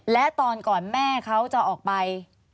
และตอนก่อนแม่เขาจะออกไป